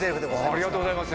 ありがとうございます。